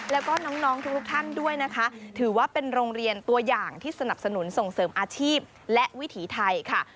แล้วก็น้องทุกท่านด้วยนะคะถือว่าเป็นโรงเรียนตัวอย่างที่สนับสนุนส่งเสริมอาชีพและวิถีไทยค่ะ